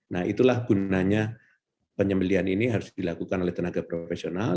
nah itulah gunanya penyembelian ini harus dilakukan oleh tenaga profesional